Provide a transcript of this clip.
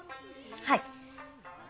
はい。